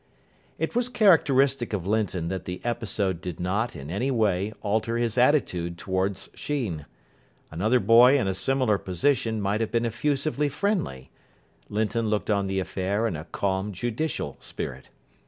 It was characteristic of Linton that the episode did not, in any way, alter his attitude towards Sheen. Another boy in a similar position might have become effusively friendly. Linton looked on the affair in a calm, judicial spirit.